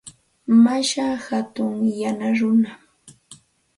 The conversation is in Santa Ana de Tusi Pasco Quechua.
Mashaa hatun yana runam.